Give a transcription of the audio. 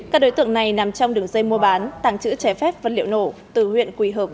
các đối tượng này nằm trong đường dây mua bán tàng trữ trái phép vật liệu nổ từ huyện quỳ hợp